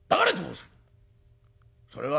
それは